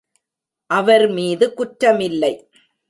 அவர் மீது குற்றமில்லை.